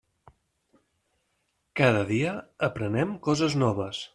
Cada dia aprenem coses noves.